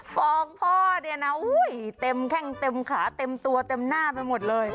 ฟองพ่อเนี่ยนะเต็มแข้งเต็มขาเต็มตัวเต็มหน้าไปหมดเลย